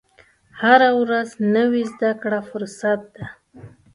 هره ورځ نوې زده کړه فرصت ده.